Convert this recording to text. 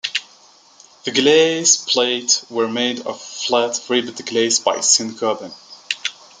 The glass plates were made of flat ribbed glass by Saint-Gobain.